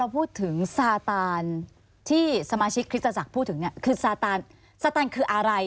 พูดถึงซาตานที่สมาชิกคริสต์ศักดิ์พูดถึงคือซาตานซาตานคืออะไร